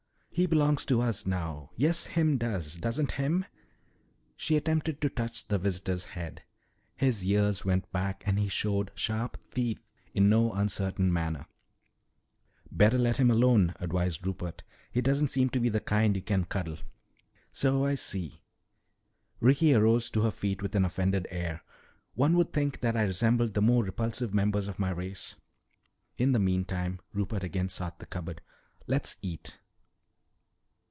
"He belongs to us now. Yes him does, doesn't him?" She attempted to touch the visitor's head. His ears went back and he showed sharp teeth in no uncertain manner. "Better let him alone," advised Rupert. "He doesn't seem to be the kind you can cuddle." "So I see." Ricky arose to her feet with an offended air. "One would think that I resembled the more repulsive members of my race." "In the meantime," Rupert again sought the cupboard, "let's eat."